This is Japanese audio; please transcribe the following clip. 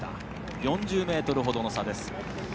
４０ｍほどの差。